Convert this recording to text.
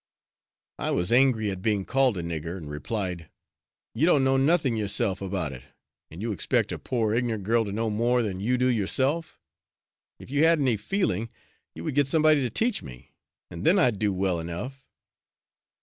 I was angry at being called a nigger, and replied, "You don't know nothing, yourself, about it, and you expect a poor ignorant girl to know more than you do yourself; if you had any feeling you would get somebody to teach me, and then I'd do well enough."